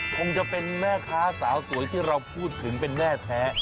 คงจะเป็นแม่ค้าสาวสวยที่เราพูดถึงเป็นแม่แท้